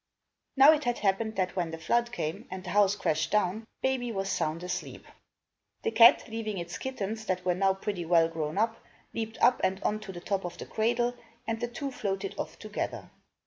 Now it had happened that when the flood came and the house crashed down, baby was sound asleep. The cat, leaving its kittens, that were now pretty well grown up, leaped up and on to the top of the cradle and the two floated off together.